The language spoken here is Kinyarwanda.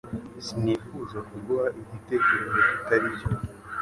Sinifuzaga kuguha igitekerezo kitari cyo